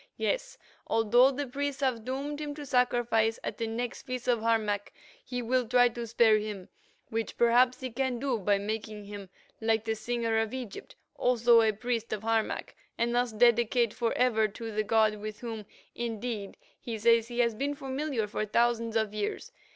Yes, although the priests have doomed him to sacrifice at the next feast of Harmac, he will try to spare him, which, perhaps, he can do by making him, like the Singer of Egypt, also a priest of Harmac, and thus dedicate forever to the god with whom, indeed, he says he had been familiar for thousands of years.